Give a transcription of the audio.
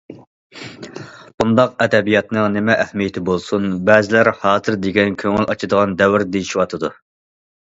بۇنداق ئەدەبىياتنىڭ نېمە ئەھمىيىتى بولسۇن؟ بەزىلەر ھازىر دېگەن كۆڭۈل ئاچىدىغان دەۋر دېيىشىۋاتىدۇ.